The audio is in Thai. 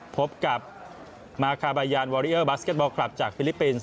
พบกับมาคาบายานวอริเออร์บาสเก็ตบอลคลับจากฟิลิปปินส์